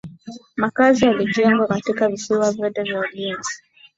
Makazi yalijengwa katika visiwa vyote vya ulinzi